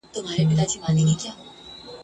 هم په عقل هم په ژبه گړندى وو !.